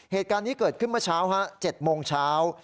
เหตุการณ์นี้เกิดขึ้นเมื่อเช้า๗โมงเช้า